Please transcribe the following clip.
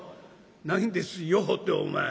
「ないんですよってお前